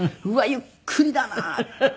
ゆっくりだなって。